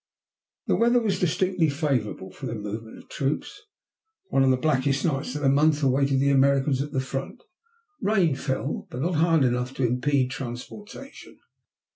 The weather was distinctly favorable for the movement of troops. One of the blackest nights of the month awaited the Americans at the front. Rain fell, but not hard enough to impede transportation.